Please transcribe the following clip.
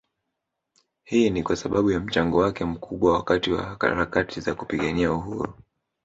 Hii ni kwasababu ya mchango wake mkubwa wakati wa harakati za kupigania uhuru